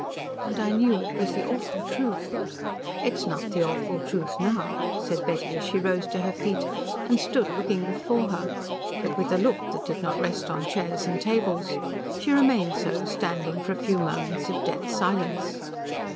And I knew it was the awful truth." "It is not the awful truth now," said Betty, and she rose to her feet and stood looking before her, but with a look which did not rest on chairs and tables. She remained so, standing for a few moments of dead silence.